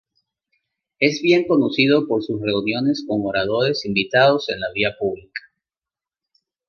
Es bien conocido por sus reuniones con oradores invitados de la vida pública.